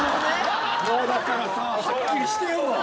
もうだからさはっきりしてよ！